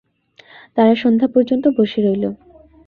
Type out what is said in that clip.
তারা সন্ধ্যা পর্যন্ত বসে রইল।